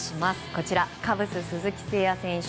こちらカブス、鈴木誠也選手。